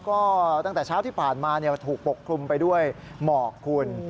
ก็ตั้งแต่เช้าที่ผ่านมาถูกปกคลุมไปด้วยหมอกคุณ